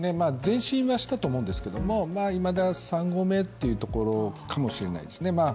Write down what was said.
前進はしたと思うんですけども、いまだ３合目というところかもしれないですね。